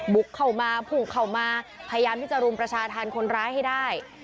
บุกเข้ามาพุ่งเข้ามาพยายามที่จะรุมประชาธรรมคนร้ายให้ได้